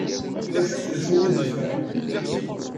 Ulac akk d acu umi tnefɛem.